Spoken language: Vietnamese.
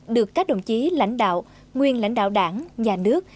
được các đồng chí lãnh đạo nguyên lãnh đạo đảng nhà nước